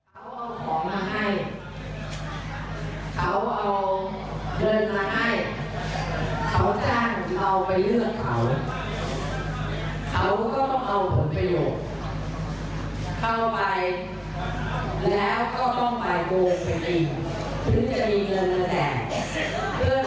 จะมีเงินเงินแจกเพื่อใครเราเราไม่ได้มีเงินเงินแจก